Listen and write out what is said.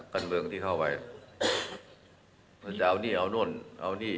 การเมืองที่เข้าไปมันจะเอานี่เอาโน่นเอานี่